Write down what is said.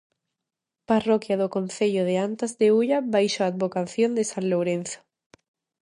Parroquia do concello de Antas de Ulla baixo a advocación de san Lourenzo.